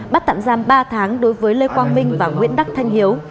bắt tạm giam ba tháng đối với lê quang minh và nguyễn đắc thanh hiếu